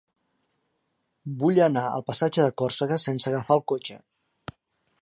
Vull anar al passatge de Còrsega sense agafar el cotxe.